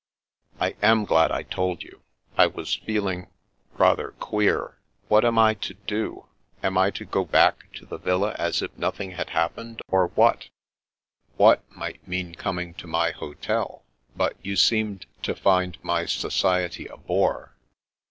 "I am glad I told you. I was feeling — ^rather queer. What am I to do? Am I to go back to the villa as if nothing had happened^ or — ^what? " 250 The Princess Passes "* What ' might mean coming to my hotel, but you seemed to find my society a bore."